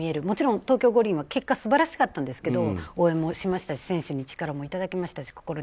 もちろん東京五輪も結果素晴らしかったんですけど応援もしましたし選手の力もいただきましたし。